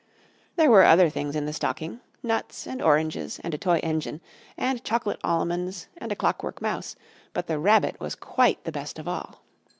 There were other things in the stocking, nuts and oranges and a toy engine, and chocolate almonds and a clockwork mouse, but the Rabbit was quite the best of all.